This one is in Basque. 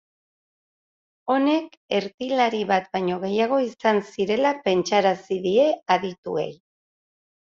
Honek, ertilari bat baino gehiago izango zirela pentsarazi die adituei.